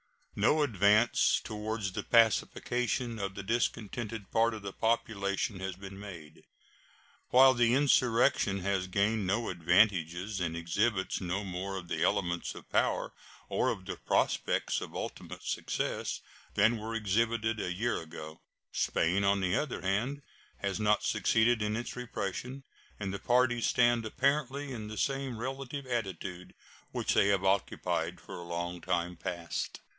No advance toward the pacification of the discontented part of the population has been made. While the insurrection has gained no advantages and exhibits no more of the elements of power or of the prospects of ultimate success than were exhibited a year ago, Spain, on the other hand, has not succeeded in its repression, and the parties stand apparently in the same relative attitude which they have occupied for a long time past.